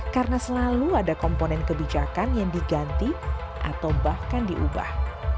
karena selalu ada komponen kebijakan yang diganti atau bahkan diubah